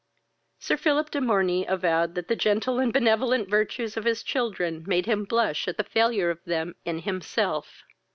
Sir Philip de Morney avowed that the gentle and benevolent virtues of his children made him blush at the failure of them in himself.